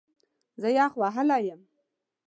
زه یخ وهلی یم